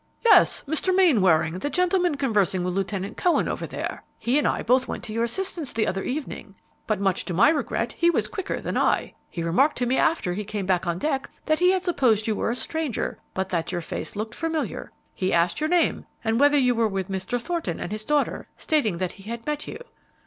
"Yes; Mr. Mainwaring, the gentleman conversing with Lieutenant Cohen over there. He and I both went to your assistance the other evening, but, much to my regret, he was quicker than I. He remarked to me after he came back on deck that he had supposed you were a stranger, but that your face looked familiar. He asked your name, and whether you were with Mr. Thornton and his daughter, stating that he had met you.